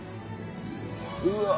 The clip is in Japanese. うわ！